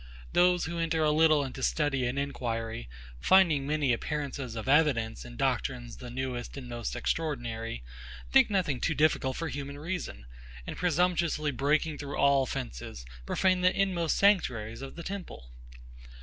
Those who enter a little into study and inquiry, finding many appearances of evidence in doctrines the newest and most extraordinary, think nothing too difficult for human reason; and, presumptuously breaking through all fences, profane the inmost sanctuaries of the temple.